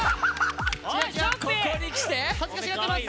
恥ずかしがってます。